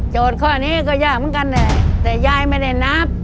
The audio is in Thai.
โจทย์ข้อนี้ก็ยากเหมือนกันเนี่ยแต่ยายไม่ได้นับ